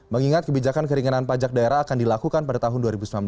mengingat kebijakan keringanan pajak daerah akan dilakukan pada tahun dua ribu sembilan belas